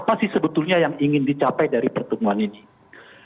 kalau disebut nisanya targetnya untuk mencapai persatuan dan kesatuan umat